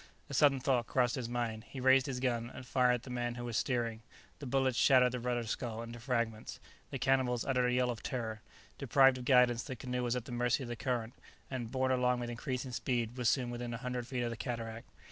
A sudden thought crossed his mind. He raised his gun and fired at the man who was steering; the bullet shattered the rudder scull into fragments. The cannibals uttered a yell of terror. Deprived of guidance, the canoe was at the mercy of the current, and, borne along with increasing speed, was soon within a hundred feet of the cataract.